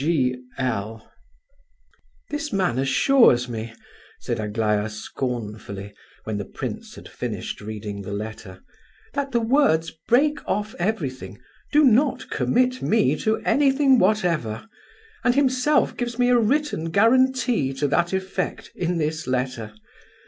"G.L." "This man assures me," said Aglaya, scornfully, when the prince had finished reading the letter, "that the words 'break off everything' do not commit me to anything whatever; and himself gives me a written guarantee to that effect, in this letter.